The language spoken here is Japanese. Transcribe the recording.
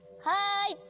はい！